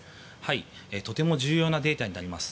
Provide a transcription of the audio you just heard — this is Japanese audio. とても重要なデータになります。